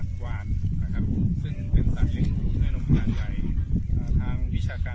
สวัสดีครับคุณผู้ชาย